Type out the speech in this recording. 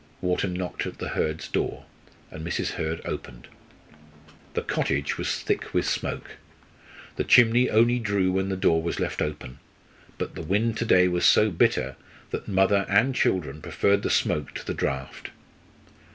Wharton knocked at the Hurds' door, and Mrs. Hurd opened. The cottage was thick with smoke. The chimney only drew when the door was left open. But the wind to day was so bitter that mother and children preferred the smoke to the draught.